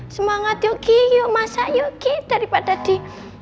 semangat yuk kiki masak yuk kiki daripada di